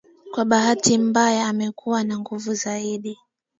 Kwa bahati mbaya wamekuwa na nguvu zaidi